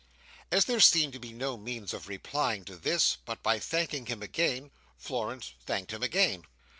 As there seemed to be no means of replying to this, but by thanking him again, Florence thanked him again.